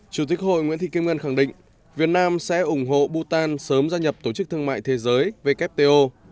chủ tịch hội nguyễn thị kim ngân khẳng định việt nam sẽ ủng hộ bhutan sớm gia nhập tổ chức thương mại thế giới wto